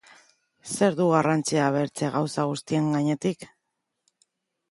Zerk du garrantzia bertze gauza guztien gainetik?